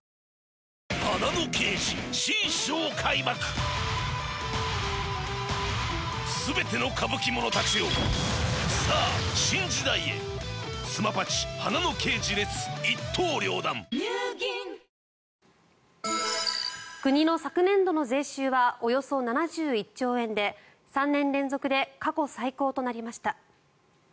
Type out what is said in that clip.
お申込みは今すぐお電話ください国の昨年度の税収はおよそ７１兆円で３年連続で過去最高となりました。